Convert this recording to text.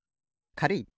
かるい。